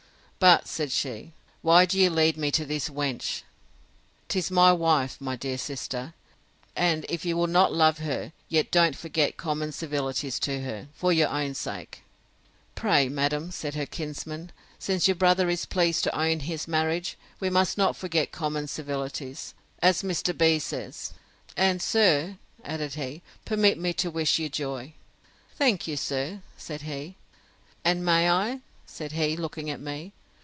But, said she, why do you lead me to this wench? 'Tis my wife, my dear sister; and if you will not love her, yet don't forget common civilities to her, for your own sake. Pray, madam, said her kinsman, since your brother is pleased to own his marriage, we must not forget common civilities, as Mr. B—— says. And, sir, added he, permit me to wish you joy. Thank you, sir, said he. And may I? said he, looking at me.